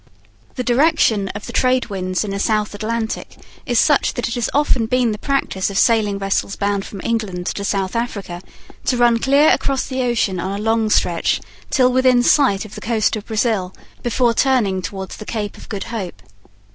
The direction of the trade winds in the South Atlantic is such that it has often been the practice of sailing vessels bound from England to South Africa to run clear across the ocean on a long stretch till within sight of the coast of Brazil before turning towards the Cape of Good Hope.